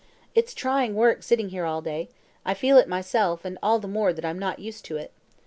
It's trying work sitting still all day; I feel it myself, and all the more that I'm not used to it.